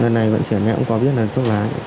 lần này vận chuyển em cũng có biết là thuốc lá